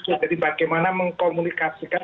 jadi bagaimana mengkomunikasikan